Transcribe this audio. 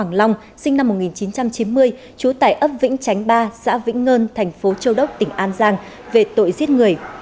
hoàng long sinh năm một nghìn chín trăm chín mươi chú tải ấp vĩnh tránh ba xã vĩnh ngân thành phố châu đốc tỉnh an giang về tội giết người